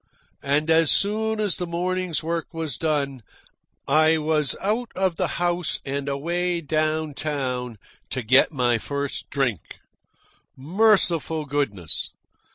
And as soon as the morning's work was done, I was out of the house and away down town to get my first drink. Merciful goodness!